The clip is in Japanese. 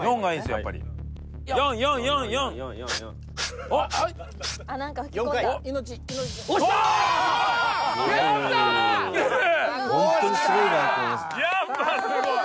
やっぱすごい！